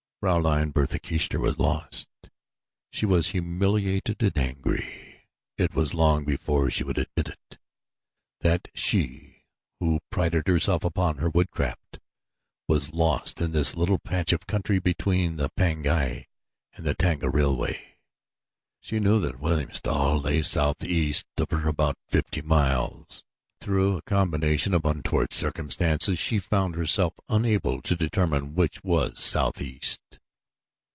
Fraulein Bertha Kircher was lost. She was humiliated and angry it was long before she would admit it, that she, who prided herself upon her woodcraft, was lost in this little patch of country between the Pangani and the Tanga railway. She knew that Wilhelmstal lay southeast of her about fifty miles; but, through a combination of untoward circumstances, she found herself unable to determine which was southeast.